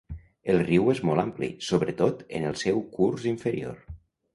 El riu és molt ampli, sobretot en el seu curs inferior.